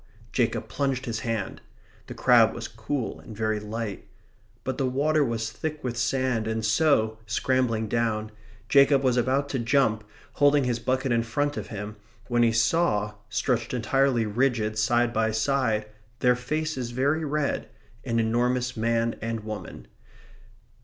Jacob plunged his hand. The crab was cool and very light. But the water was thick with sand, and so, scrambling down, Jacob was about to jump, holding his bucket in front of him, when he saw, stretched entirely rigid, side by side, their faces very red, an enormous man and woman.